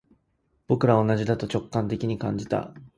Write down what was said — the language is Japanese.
僕らは同じだと直感的に感じた